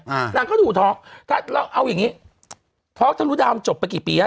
นางก็ดูท้องถ้าเราเอาอย่างงี้ท้องทะลุดาวจบไปกี่ปีแล้ว